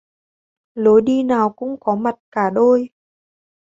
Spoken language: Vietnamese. Lối đi nào cũng có mặt cả đôi